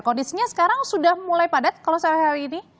kondisinya sekarang sudah mulai padat kalau saya hari ini